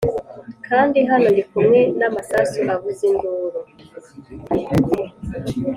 kandi hano ndi kumwe namasasu avuza induru